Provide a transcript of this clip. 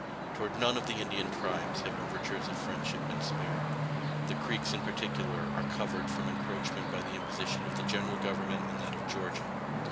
Toward none of the Indian tribes have overtures of friendship been spared. The Creeks in particular are covered from encroachment by the imposition of the General Government and that of Georgia.